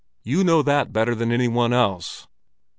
You know that better than any one else."